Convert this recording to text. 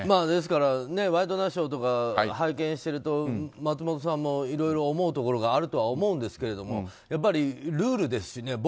ですから「ワイドナショー」とか拝見してると松本さんもいろいろ思うところがあるとは思うんですがやっぱりルールですしね。